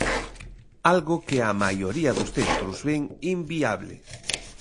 Algo que a maioría dos centros ven inviable.